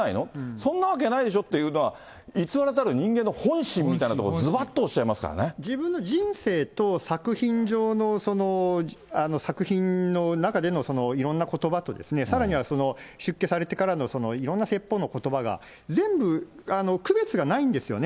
そんなわけないでしょっていうのは、偽らざる人間の本心みたいなところをずばっとおっしゃいますから自分の人生と、作品上の、その作品の中でのいろんなことばとですね、さらにはその出家されてからのそのいろんな説法のことばが、全部区別がないんですよね。